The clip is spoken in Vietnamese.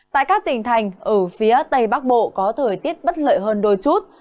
tại các tỉnh thành ở phía tây bắc bộ có thời tiết bất lợi hơn đôi chút